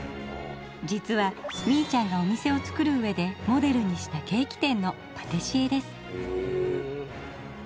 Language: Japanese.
実はみいちゃんがお店をつくる上でモデルにしたケーキ店のパティシエです。